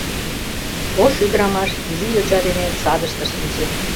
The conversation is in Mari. Ош ӱдырамаш изи йоча дене садыште шинчен.